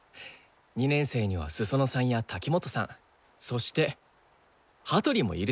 ２年生には裾野さんや滝本さんそして羽鳥もいるしね。